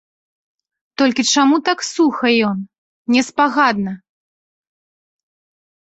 Толькі чаму так суха ён, неспагадна?